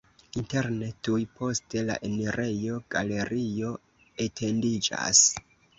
Interne tuj post la enirejo galerio etendiĝas.